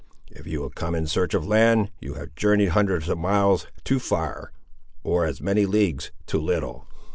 If you have come in search of land, you have journeyed hundreds of miles too far, or as many leagues too little."